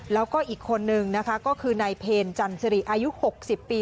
แล้วก็อีกคนนึงนะคะก็คือนายเพลจันสิริอายุ๖๐ปี